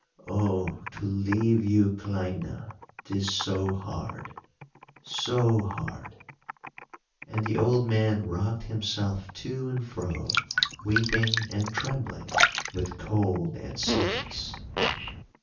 Oh! to leave you, kleina, 'tis so hard! so hard!" And the old man rocked himself to and fro, weeping and trembling with cold and sickness.